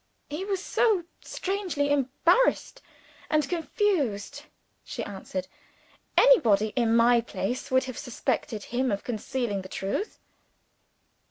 "He was so strangely embarrassed and confused," she answered. "Anybody in my place would have suspected him of concealing the truth."